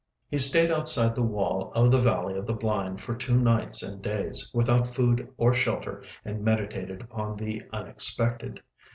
He stayed outside the wall of the valley of the blind for two nights and days without food or shelter, and meditated upon the Unexpected.